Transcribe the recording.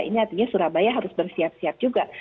ini artinya surabaya harus bersiap siap juga